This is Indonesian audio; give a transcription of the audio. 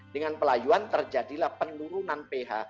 dengan pelayuan terjadilah penurunan ph